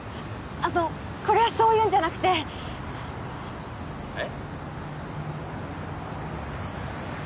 あのこれはそういうんじゃなくてえっ？